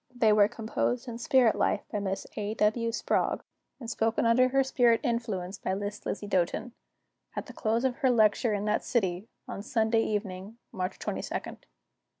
They were composed in spirit life by Miss A. W. Sprague, and spoken under spirit influence by Miss Lizzie Doten, at the close of her lecture in that city, on Sunday evening, March 22d.